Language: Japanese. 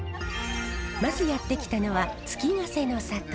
まずやって来たのは月ヶ瀬の里。